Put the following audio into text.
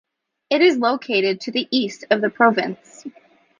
It is located to the east of the province.